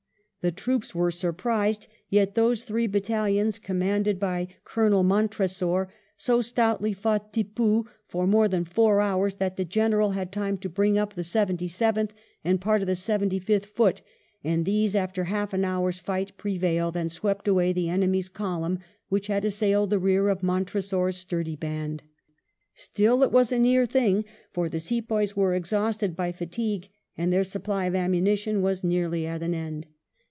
The troops were surprised; yet those three battalions, commanded by II A CTION A T SEDASEER 37 Colonel Montresor, so stoutly fought Tippoo for more than four hours, that the General had time to bring up the Seventy seventh and part of the Seventy fifth Foot, and these, after half an hour's fight, prevailed and swept away the enemy's column which had assailed the rear of Montresor*s sturdy band. Still it was a near thing, for the Sepoys were exhausted by fatigue, and their supply of ammunition was nearly at an end.